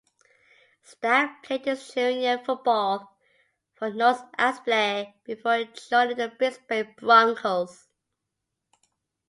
Stagg played his junior football for Norths Aspley before joining the Brisbane Broncos.